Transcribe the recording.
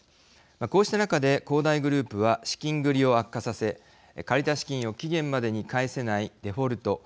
こうした中で恒大グループは資金繰りを悪化させ借りた資金を期限までに返せないデフォルト＝